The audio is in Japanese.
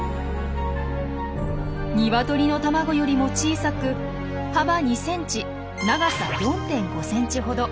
ニワトリの卵よりも小さく幅２ｃｍ長さ４．５ｃｍほど。